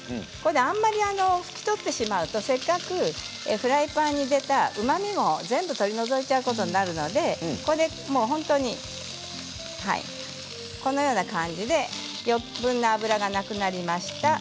あまり拭き取ってしまうとせっかくフライパンに出たうまみも全部取り除いちゃうことになるので本当に、余分な脂がなくなりました。